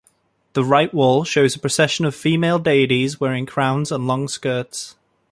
The right wall shows a procession of female deities wearing crowns and long skirts.